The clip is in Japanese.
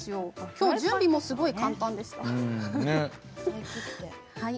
今日準備もすごく簡単でした。